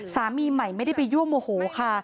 สามีใหม่ไม่ได้ไปยั่วโมโหค่ะ